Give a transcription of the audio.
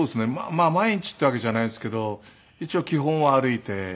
まあ毎日っていうわけじゃないですけど一応基本は歩いて。